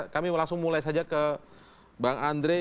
kami langsung mulai saja ke bang andre